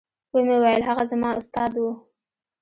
ومې ويل هغه زما استاد و.